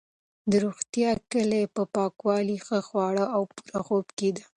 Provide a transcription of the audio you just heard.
د روغتیا کلي په پاکوالي، ښه خواړه او پوره خوب کې ده.